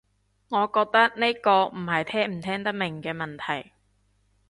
我覺得呢個唔係聽唔聽得明嘅問題